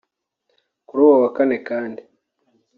Kuri uwo wa Kane kandi